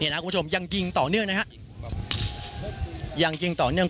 คุณผู้ชมยังยิงต่อเนื่องนะฮะยังยิงต่อเนื่อง